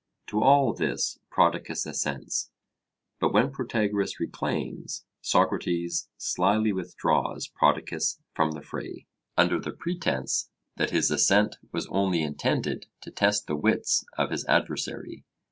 To all this Prodicus assents; but when Protagoras reclaims, Socrates slily withdraws Prodicus from the fray, under the pretence that his assent was only intended to test the wits of his adversary.